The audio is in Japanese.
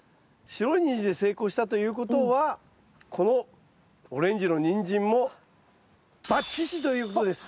白いニンジンで成功したということはこのオレンジのニンジンもバッチシということです！